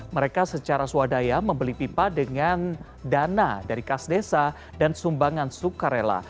mereka secara swadaya membeli pipa dengan dana dari kas desa dan sumbangan sukarela